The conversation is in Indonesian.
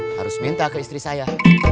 harus minta ke istri saya